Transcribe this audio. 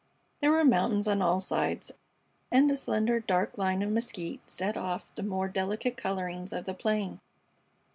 There were mountains on all sides, and a slender, dark line of mesquite set off the more delicate colorings of the plain.